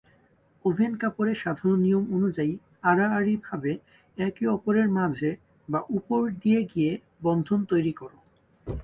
Oven কাপড়ে সাধারণ নিয়ম অনুযায়ী আড়াআড়িভাবে একে অপরের মাঝে বা উপর দিয়ে গিয়ে বন্ধন তৈরি কর।